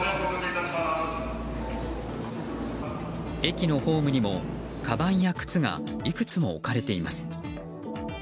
駅のホームにもかばんや靴がいくつも置かれています。